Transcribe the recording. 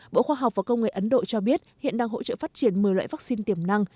bộ khoa học và công nghệ ấn độ cho biết hiện đang hỗ trợ phát triển một mươi loại vaccine tiềm năng